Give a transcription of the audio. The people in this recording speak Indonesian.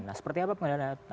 nah seperti apa pengendaliannya